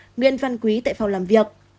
nguyễn văn quý tại phòng làm việc